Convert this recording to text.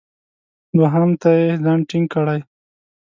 دوهم ته یې ځان ټینګ کړی.